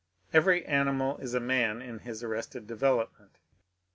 Every animal is a man in this arrested develop ment.